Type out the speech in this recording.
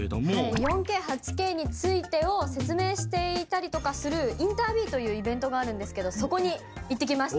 ４Ｋ８Ｋについてを説明していたりとかするＩｎｔｅｒＢＥＥというイベントがあるんですけどそこに行ってきました！